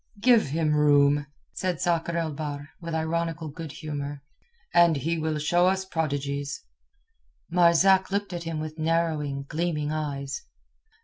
"Give him room," said Sakr el Bahr, with ironical good humour, "and he will show us prodigies." Marzak looked at him with narrowing, gleaming eyes.